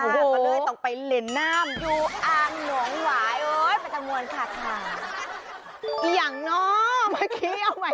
ก็เลยต้องไปเล่นน้ำยูอางหนองหวาย